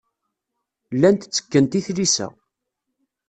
Llant ttekkent i tlisa.